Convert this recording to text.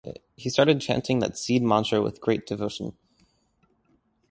He started chanting that seed mantra with great devotion.